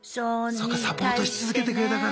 そうかサポートし続けてくれたから。